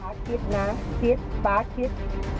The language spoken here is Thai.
คิดนะคิดป๊าคิด